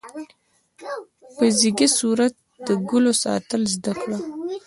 په ځیږه صورت د ګلو ساتل زده کړه.